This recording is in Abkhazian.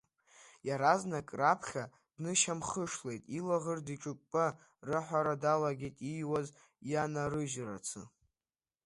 Иаразнак раԥхьа днышьамхнышлеит, илаӷырӡ иҿыкәкәа рыҳәара далагеит, ииуз ианарыжьрацы.